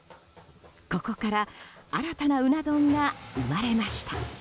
ここから新たなうな丼が生まれました。